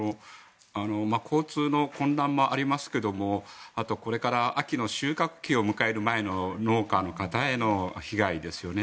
交通の混乱もありますけどもあと、これから秋の収穫期を迎える前の農家の方への被害ですよね。